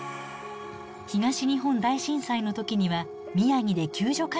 東日本大震災の時には宮城で救助活動に従事。